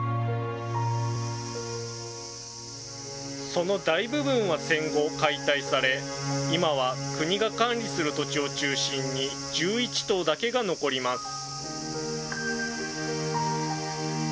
その大部分は戦後、解体され、今は国が管理する土地を中心に１１棟だけが残ります。